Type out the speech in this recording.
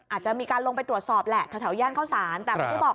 อาจจะมีการลงไปตรวจสอบแหละแถวย่านเข้าสารแต่ไม่ได้บอก